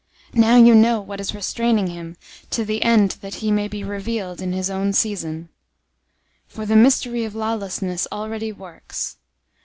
002:006 Now you know what is restraining him, to the end that he may be revealed in his own season. 002:007 For the mystery of lawlessness already works.